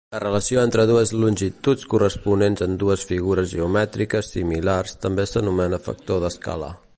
La relació entre dues longituds corresponents en dues figures geomètriques similars també s'anomena factor d'escala.